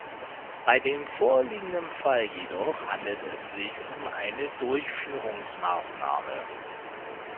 Bei dem vorliegenden Fall jedoch handelt es sich um eine Durchführungsmaßnahme.